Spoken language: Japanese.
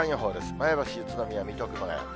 前橋、宇都宮、水戸、熊谷。